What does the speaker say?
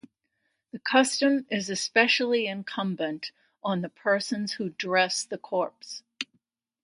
The custom is especially incumbent on the persons who dress the corpse.